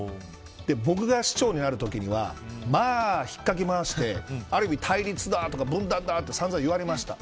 僕が市長になるときにはまあ、引っかき回してある意味、対立だとか分断など散々、いわれました。